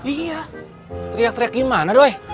iya teriak teriak gimana dong